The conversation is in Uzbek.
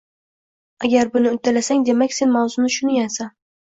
Agar buni uddalasang demak sen mavzuni tushungansan.